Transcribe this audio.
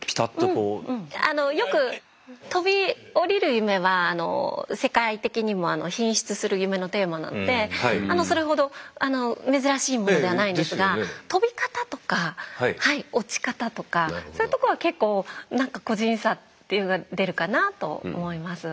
よく飛び降りる夢は世界的にも頻出する夢のテーマなのでそれほど珍しいものではないんですが飛び方とか落ち方とかそういうとこは結構個人差っていうのが出るかなと思います。